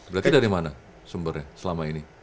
berarti dari mana sumbernya selama ini